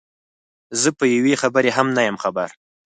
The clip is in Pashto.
زه په یوې خبرې هم نه یم خبر.